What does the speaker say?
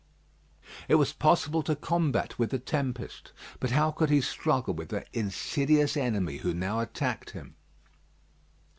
It was possible to combat with the tempest, but how could he struggle with that insidious enemy who now attacked him.